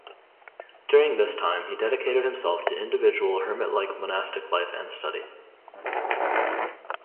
During this time he dedicated himself to individual hermit-like monastic life and study.